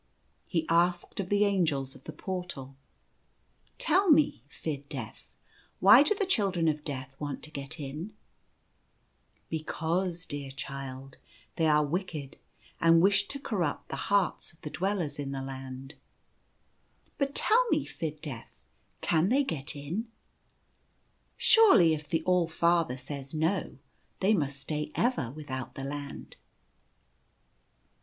He asked of the Angels of the Portal :" Tell me, Fid Def, why do the Children of Death want to get in ?"" Because, dear Child, they are wicked, and wish to corrupt the hearts of the dwellers in the Land." " But tell me, Fid Def, can they get in ? Surely, if the All Father says, No! they must stay ever without the Land."